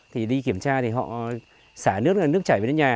thì đi kiểm tra thì họ xả nước chảy vào nước nhà